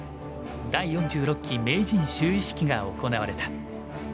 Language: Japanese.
第４６期名人就位式が行われた。